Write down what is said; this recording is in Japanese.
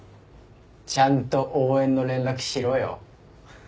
ちゃんと応援の連絡しろよ。